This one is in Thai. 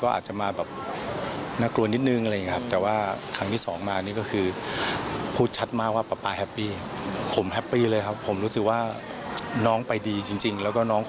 ก็ฝันถึงครั้งแรกก็อาจจะมาน่ากลัวนิดหนึ่ง